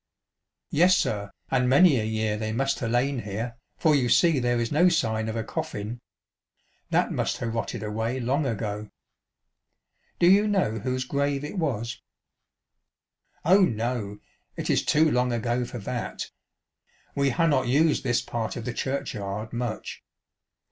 " Yes, sir, and many a year they must ha' lain here, for you see there is no sign of a coffin. That must ha' rotted away long ago." " Do you know whose grave it was ?"" Oh, no, it is too long ago for that. We ha' not used this part of the churchyard much.